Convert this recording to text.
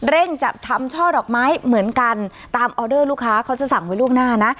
จัดทำช่อดอกไม้เหมือนกันตามออเดอร์ลูกค้าเขาจะสั่งไว้ล่วงหน้านะ